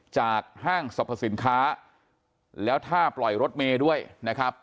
ห้างสรรพสินค้าแล้วถ้าปล่อยรถเมย์ด้วยนะครับ